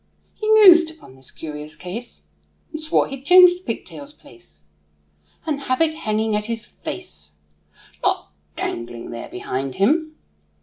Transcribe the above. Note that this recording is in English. He mused upon this curious case, And swore he'd change the pigtail's place, And have it hanging at his face, Not dangling there behind him.